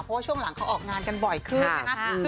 เพราะว่าช่วงหลังเขาออกงานกันบ่อยขึ้นนะคะ